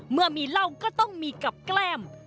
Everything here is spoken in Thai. เมื่อมีเหล้าก็ต้องมีกับแกล้ม